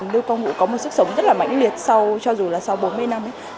lưu quang vũ có một sức sống rất là mạnh liệt cho dù là sau bốn mươi năm ấy